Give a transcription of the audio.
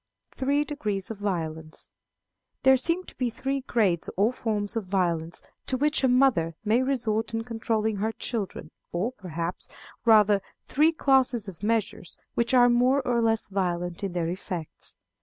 Three Degrees of Violence. There seem to be three grades or forms of violence to which a mother may resort in controlling her children, or, perhaps, rather three classes of measures which are more or less violent in their effects.